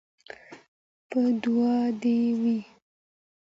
په دعا دي وي